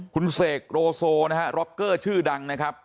คุณเสกโรโซนะฮะร็อกเกอร์ชื่อดังนะครับ